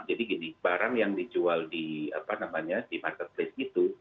jadi gini barang yang dijual di marketplace itu